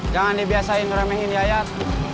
jangan dibiasain ngeremehin yayat